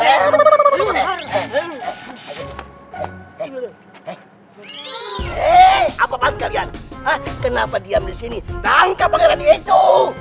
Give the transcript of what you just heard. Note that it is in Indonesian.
hai hai apa apaan gal boom kenapa di hampir sini rangka rangka itu